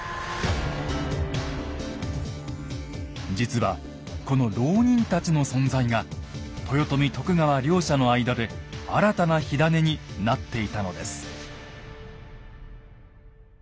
実はこの牢人たちの存在が豊臣・徳川両者の間で新たな火種になっていたのです。